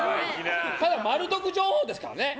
ただまる得情報ですから。